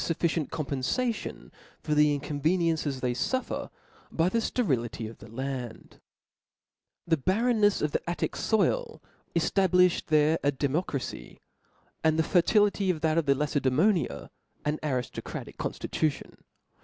fufficient compenfation for tlie inconveniences they fuffer by the fterility of the land The barrenness .of . the Attic ioil: cQ;abIifljcd ihtre a democracy ; and the fertility of that of JLaced^mpnia an ariftocratical conftitution.